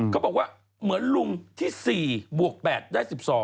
เขาบอกว่าเหมือนลุงที่๔บวก๘ได้๑๒